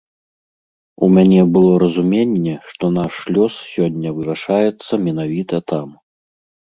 У мяне было разуменне, што наш лёс сёння вырашаецца менавіта там.